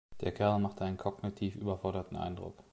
Der Kerl macht einen kognitiv überforderten Eindruck.